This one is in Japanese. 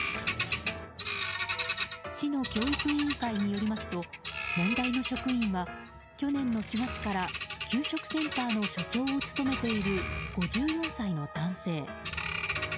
市の教育委員会によりますと問題の職員は去年の４月から給食センターの所長を務めている５４歳の男性。